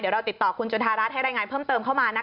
เดี๋ยวเราติดต่อคุณจุธารัฐให้รายงานเพิ่มเติมเข้ามานะคะ